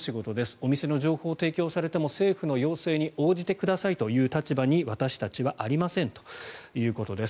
お店の情報を提供されても政府の要請に応じてくださいと言う立場に、私たちはありませんということです。